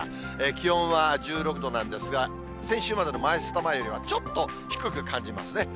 気温は１６度なんですが、先週までのマイスタ前よりはちょっと低く感じますね。